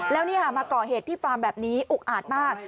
แล้วมาก่อเหตุที่ฟาร์มแบบนี้อุกอาจมาก